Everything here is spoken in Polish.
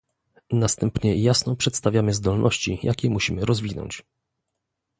Następnie jasno przedstawiamy zdolności, jakie musimy rozwinąć